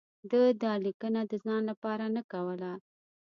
ده دا لیکنه د ځان لپاره نه کوله.